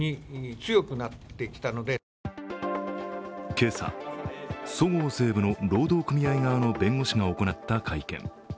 今朝、そごう・西武の労働組合側の弁護士が行った会見。